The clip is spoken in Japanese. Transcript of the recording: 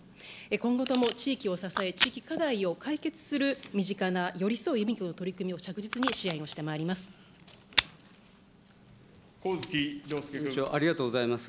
今後とも地域を支え、地域課題を解決する身近な、寄り添う郵便局の取り組みを着実に支援をしてま上月良祐君。ありがとうございます。